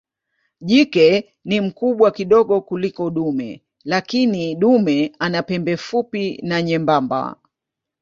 Jike ni mkubwa kidogo kuliko dume lakini dume ana pembe fupi na nyembamba.